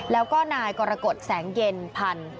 และการ์กรกฎแสงเย็นพันธ์